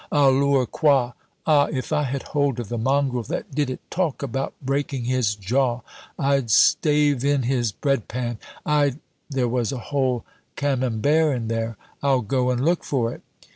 "Alors quoi? Ah, if I had hold of the mongrel that did it! Talk about breaking his jaw I'd stave in his bread pan, I'd there was a whole Camembert in there, I'll go and look for it."